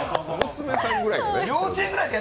娘さんぐらいかな。